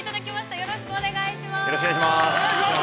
◆よろしくお願いします。